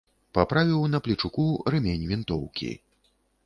Паправіў на плечуку рэмень вінтоўкі.